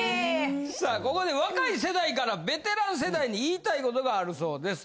さあここで若い世代からベテラン世代に言いたいことがあるそうです。